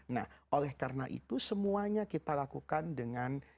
nah oleh karena itu semuanya kita lakukan dengan